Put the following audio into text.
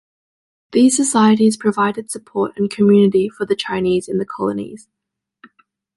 These societies provided support and community for the Chinese in the colonies.